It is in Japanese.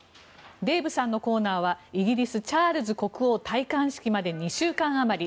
デーブさんのコーナーはイギリス、チャールズ国王戴冠式まで２週間あまり。